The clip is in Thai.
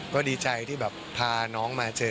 ก็ดีใจที่แบบพาน้องมาเจอ